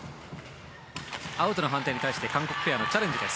アウトの判定に対して韓国ペアのチャレンジです。